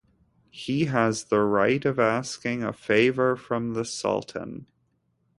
He has the right of asking a favor from the sultan.